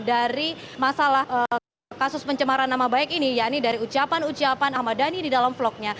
dari masalah kasus pencemaran nama baik ini ya ini dari ucapan ucapan ahmad dhani di dalam vlognya